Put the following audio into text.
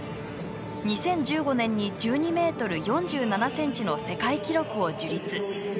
２０１５年に１２ｍ４７ｃｍの世界記録を樹立。